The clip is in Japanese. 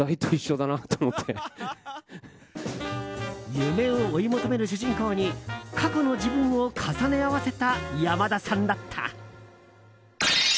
夢を追い求める主人公に過去の自分を重ね合わせた山田さんだった。